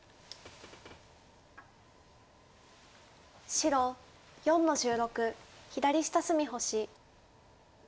白４の十六左下隅星。